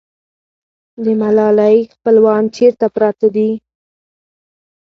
د ملالۍ خپلوان چېرته پراته دي؟